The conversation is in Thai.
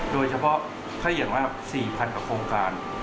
โดยเฉพาะถ้าอย่างว่า๔๐๐๐กว่าโครงการ